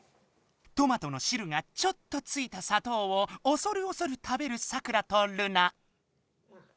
トマトの汁がちょっとついた砂糖をおそるおそる食べるサクラとルナ。